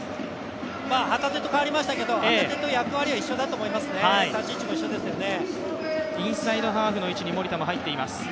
旗手とかわりましたけど役割は一緒ですね、立ち位置も一緒ですよね。